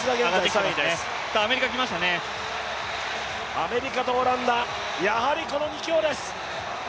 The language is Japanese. アメリカとオランダ、やはりこの２強です。